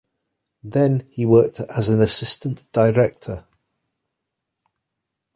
Then he worked as an assistant director.